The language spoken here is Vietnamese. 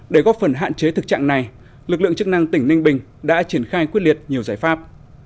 để góp phần hạn chế thực trạng này lực lượng chức năng tỉnh ninh bình đã triển khai quyết liệt nhiều giải pháp